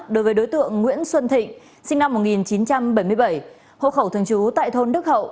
đối với đối tượng nguyễn xuân thịnh sinh năm một nghìn chín trăm bảy mươi bảy hộ khẩu thường trú tại thôn đức hậu